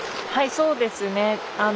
はいそうですね。